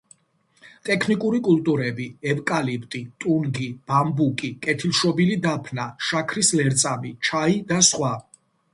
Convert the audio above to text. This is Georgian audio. ტექნიკური კულტურები: ევკალიპტი, ტუნგი, ბამბუკი, კეთილშობილი დაფნა, შაქრის ლერწამი, ჩაი და სხვა.